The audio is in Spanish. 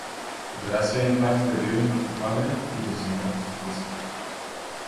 Gracia y paz de Dios nuestro Padre, y del Señor Jesucristo.